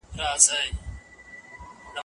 دا کیسه په ټولنیزو رسنیو کې د پند په موخه خپره شوې.